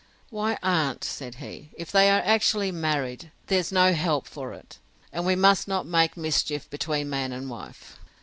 Why, aunt, said he, if they are actually married, there's no help for it; and we must not make mischief between man and wife.